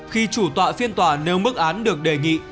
khi chủ tọa phiên tòa nêu mức án được đề nghị